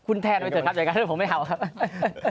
อ๋อคุณแทนไว้เถอะครับเดี๋ยวกันผมไม่เอาครับ